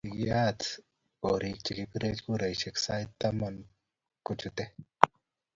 Kikiyat korik che kipire kuraishike sait taman kochutei.